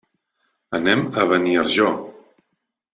Anem a Beniarjó.